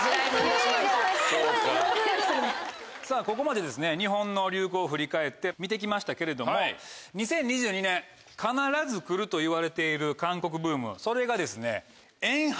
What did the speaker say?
ここまで日本の流行を振り返って見て来ましたけれども２０２２年必ず来るといわれている韓国ブームそれがですねＥＮＨＹＰＥＮ。